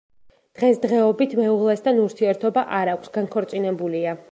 დღესდღეობით მეუღლესთან ურთიერთობა არ აქვს, განქორწინებულია.